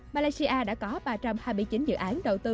malaysia đã có ba trăm hai mươi chín dự án đầu tư